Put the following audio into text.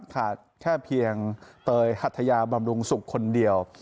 ขาดแค่เพียงเตยหัทยาบำรุงสุขคนเดียว